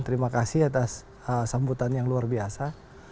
terima kasih atas sambutan yang luar biasa